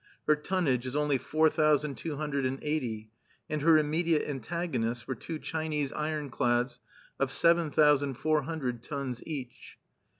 Her tonnage is only four thousand two hundred and eighty; and her immediate antagonists were two Chinese ironclads of seven thousand four hundred tons each.